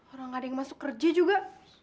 orang ada yang masuk kerja juga